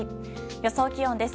予想気温です。